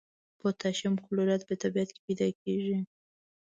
پوتاشیم کلورایډ په طبیعت کې پیداکیږي.